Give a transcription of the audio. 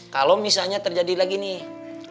kalau misalnya terjadi lagi nih